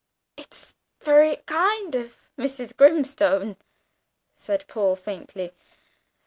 "It's very kind of Mrs. Grimstone," said Paul faintly.